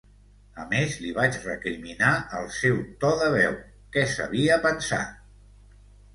A més, li vaig recriminar el seu to de veu, què s'havia pensat!